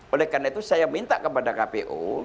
oleh karena itu saya minta kepada kpu